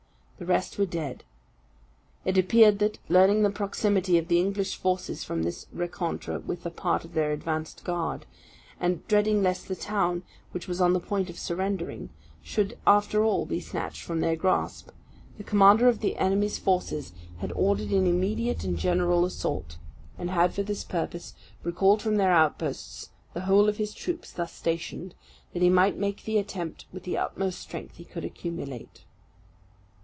The rest were dead. It appeared that, learning the proximity of the English forces from this rencontre with part of their advanced guard, and dreading lest the town, which was on the point of surrendering, should after all be snatched from their grasp, the commander of the enemy's forces had ordered an immediate and general assault; and had for this purpose recalled from their outposts the whole of his troops thus stationed, that he might make the attempt with the utmost strength he could accumulate.